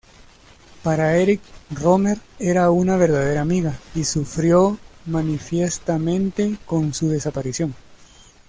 Para Éric Rohmer era una verdadera amiga, y sufrió manifiestamente con su desaparición.